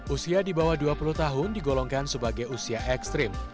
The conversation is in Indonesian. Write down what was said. usia di bawah dua puluh tahun digolongkan sebagai usia ekstrim